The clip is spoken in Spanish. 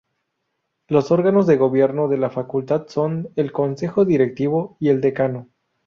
Los órganos de gobierno de la facultad son el Consejo Directivo y el Decano.